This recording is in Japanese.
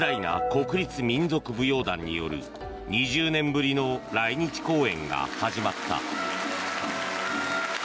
国立民族舞踊団による２０年ぶりの来日公演が始まった。